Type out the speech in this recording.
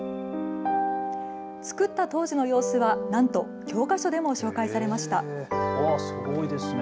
作った当時の様子はなんと教科書でも紹介されました。